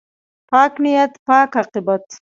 پاک نیت، پاک عاقبت.